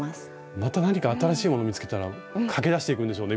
また何か新しいものを見つけたら駆け出していくんでしょうね